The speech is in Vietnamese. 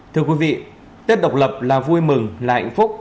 thưa quý vị tết độc lập là vui mừng là hạnh phúc